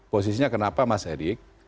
posisinya kenapa mas erik